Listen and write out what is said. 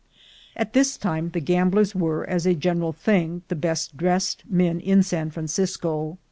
'At this time the gamblers were, as a general thing, the best dressed men in San Francisco.